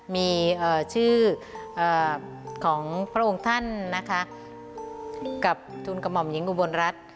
มีชื่อของพระองค์ท่านนะคะกับทุนกระหม่อมหญิงอุบลรัฐ